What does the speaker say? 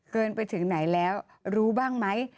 เกินไปถึงไหนแล้วรู้บ้างไหม